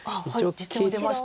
実戦も出ました。